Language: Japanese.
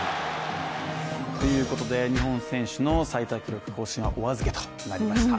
ということで、日本選手の最多記録更新はお預けとなりました。